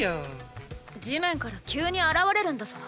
地面から急に現れるんだぞ。